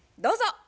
どうぞ。